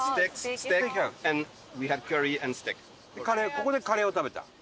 ここでカレーを食べた。